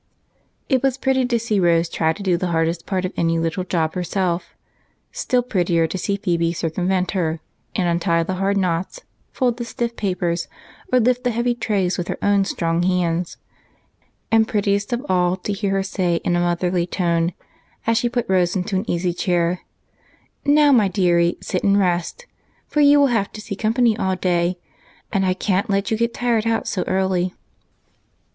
It was pretty to see Rose try to do the hardest part of any little job herself still prettier to see Phebe circumvent her and untie the hard knots, fold the stiff papers, or lift the heavy trays with her own strong hands, and prettiest of all to hear her say in a motherly tone, as she put Rose into an easy chair: "Now, my deary, sit and rest, for you will have to see company all day, and I can't let you get tired out so early."